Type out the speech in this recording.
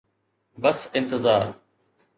بس انتظار.